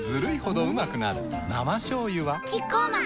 生しょうゆはキッコーマン